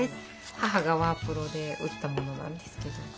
母がワープロで打ったものなんですけど。